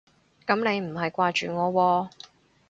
噉你唔係掛住我喎